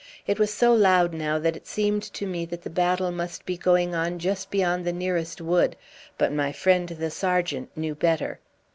It was so loud now that it seemed to me that the battle must be going on just beyond the nearest wood, but my friend the sergeant knew better.